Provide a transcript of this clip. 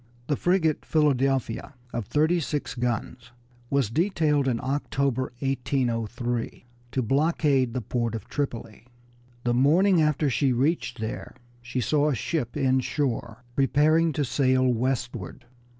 The frigate Philadelphia, of thirty six guns, was detailed in October, 1803, to blockade the port of Tripoli. The morning after she reached there she saw a ship inshore preparing to sail westward.